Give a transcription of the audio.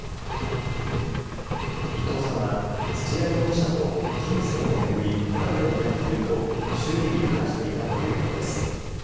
伊藤さんは土屋容疑者と金銭を巡りトラブルになっていると周囲に話していたということです。